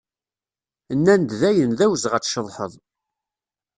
Nnan-d daɣen d awezɣi ad tceḍḥeḍ.